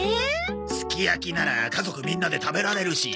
すきやきなら家族みんなで食べられるし。